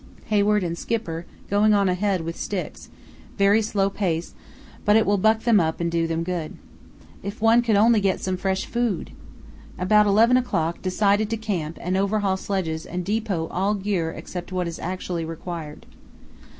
Hayward and Skipper going on ahead with sticks, very slow pace, but it will buck them up and do them good. If one could only get some fresh food! About 11 o'clock decided to camp and overhaul sledges and depot all gear except what is actually required.